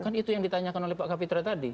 kan itu yang ditanyakan oleh pak kapitra tadi